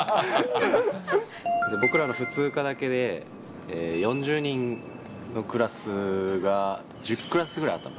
僕らの普通科だけで、４０人のクラスが１０クラスぐらいあった。